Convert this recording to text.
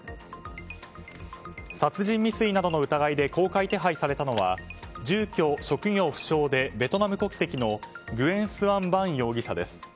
殺人未遂などの疑いで公開手配されたのは住居・職業不詳でベトナム国籍のグエン・スアン・バン容疑者です。